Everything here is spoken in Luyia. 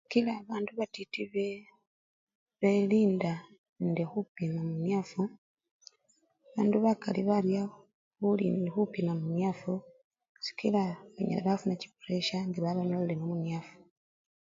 Sikila bandu batiti be belinda nende khupima munyafu, bandu bakali barya khupima munyafu sikila banyala bafuna chipuresha nga babanyolelemo munyafu.